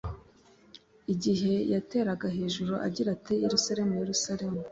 igihe yateraga hejuru agira ati : "Yerusalemu, Yerusalemu!